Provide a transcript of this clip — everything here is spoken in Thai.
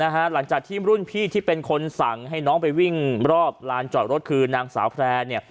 หลังจากที่รุ่นพี่ที่เป็นคนสั่งให้น้องไปวิ่งรอบลานจอดรถคือนางสาวแพร่เนี่ย